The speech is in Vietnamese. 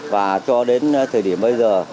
và cho đến thời điểm bây giờ